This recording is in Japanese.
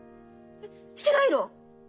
してないの？